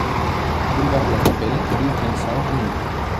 Boulevard de la Capelle, douze mille cent Millau